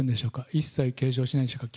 一切継承しないんでしょうか。